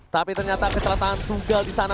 tapi ternyata keselatan tugal disana